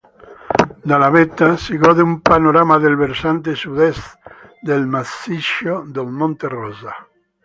Dalla vetta si gode un panorama del versante sud-est del massiccio del monte Rosa.